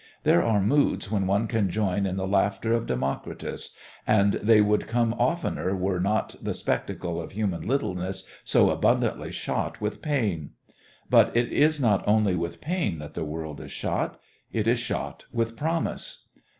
There are moods when one can join in the laughter of Democritus; and they would come oftener were not the spectacle of human littleness so abundantly shot with pain. But it is not only with pain that the world is shot it is shot with promise.